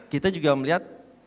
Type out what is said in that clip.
kita juga melihat